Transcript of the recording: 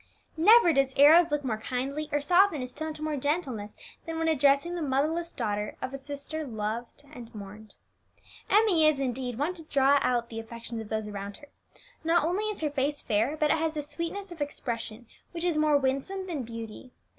Never does Arrows look more kindly or soften his tone to more gentleness than when addressing the motherless daughter of a sister loved and mourned. Emmie is, indeed, one to draw out the affections of those around her. Not only is her face fair, but it has the sweetness of expression which is more winsome than beauty.